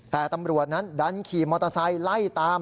แต่ตำรวจนั้นดันขี่มอเตอร์ไซค์ไล่ตาม